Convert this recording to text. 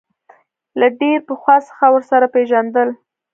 له ډېر پخوا څخه ورسره پېژندل.